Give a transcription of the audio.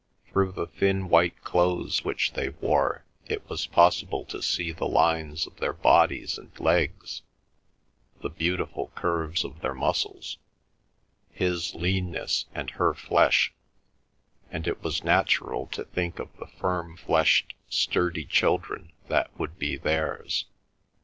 Through the thin white clothes which they wore, it was possible to see the lines of their bodies and legs, the beautiful curves of their muscles, his leanness and her flesh, and it was natural to think of the firm fleshed sturdy children that would be theirs.